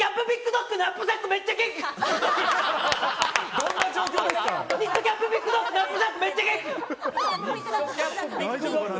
どんな状況ですか？